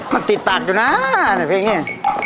มันติดปากอยู่นะเพลงนี้